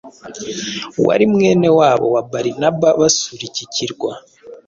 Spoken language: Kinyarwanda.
wari mwene wabo wa Barnaba basura iki kirwa.